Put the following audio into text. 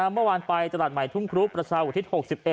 เมื่อวานไปตลาดใหม่ทุ่งครุประชาอุทิศ๖๑